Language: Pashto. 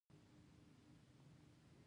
د چاپیریال ساتنه لګښت لري.